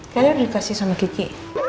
kalian udah dikasih sama kiki